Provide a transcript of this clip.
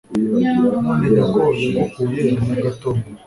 None nyoko yagukuye mu gatongo